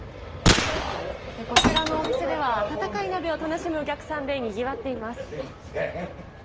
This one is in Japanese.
こちらのお店では温かい鍋を楽しむお客さんでにぎわっています。